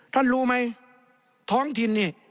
รู้ไหมท้องถิ่นนี่